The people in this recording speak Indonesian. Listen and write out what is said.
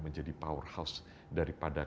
menjadi powerhouse daripada